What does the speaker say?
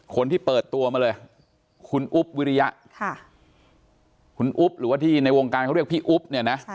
คนที่เปิดตัวมาเลยคุณอุ๊บวิริยะคุณอุ๊บหรือว่าที่ในวงการเขาเรียกพี่อุ๊บเนี่ยนะ